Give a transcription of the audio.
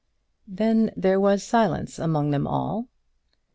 Then there was silence among them all.